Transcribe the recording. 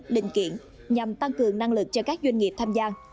định kiện nhằm tăng cường năng lực cho các doanh nghiệp tham gia